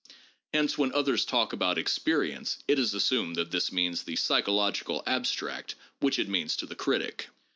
Hence, when others talk about experience, it is assumed that this means the psychological abstract which it means to the critic.